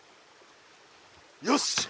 よし！